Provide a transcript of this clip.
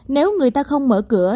nếu người ta không mở cửa